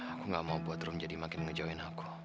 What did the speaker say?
aku gak mau buat rum jadi makin ngejauhin aku